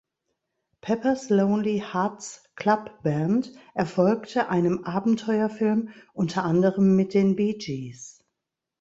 Pepper’s Lonely Hearts Club Band" erfolgte, einem Abenteuerfilm, unter anderem mit den Bee Gees.